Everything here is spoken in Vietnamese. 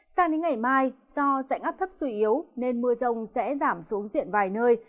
sang đến ngày mai do dạnh áp thấp suy yếu nên mưa rông sẽ giảm xuống diện vài nơi